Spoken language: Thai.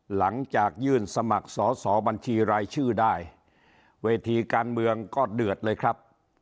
หลังจากยื่นสมัครสอสอบัญชีรายชื่อได้เวทีการเมืองก็เดือดเลยครับ